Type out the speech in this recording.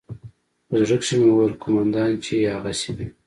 په زړه کښې مې وويل قومندان چې يې هغسې وي.